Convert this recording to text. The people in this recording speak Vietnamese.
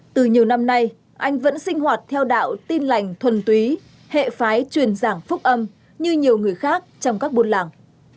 từ nhiều năm nay anh vẫn sinh hoạt theo đạo tin lành thuần túy hệ phái truyền giảng phúc âm như nhiều người khác trong các buôn làng